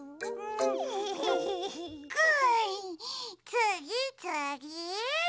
つぎつぎ！